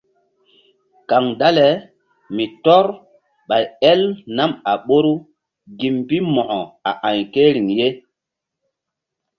Kaŋ dale mi tɔ́r ɓay el nam a ɓoru gi mbi Mo̧ko a a̧y ke riŋ ye.